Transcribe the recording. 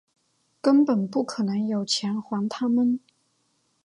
根本不可能有钱还他们